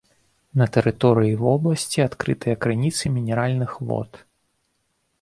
На тэрыторыі вобласці адкрытыя крыніцы мінеральных вод.